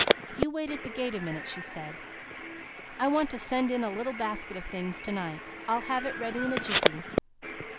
"You wait at the gate a minute," she said, "I want to send in a little basket of things to night. I'll have it ready in a jiffy."